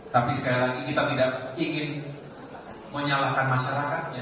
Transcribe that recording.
tapi sekali lagi kita tidak ingin menyalahkan masyarakatnya